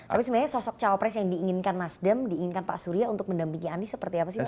tapi sebenarnya sosok cawapres yang diinginkan nasdem diinginkan pak surya untuk mendampingi anies seperti apa sih pak